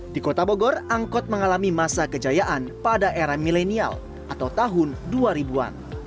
di kota bogor angkot mengalami masa kejayaan pada era milenial atau tahun dua ribu an